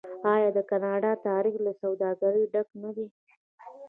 آیا د کاناډا تاریخ له سوداګرۍ ډک نه دی؟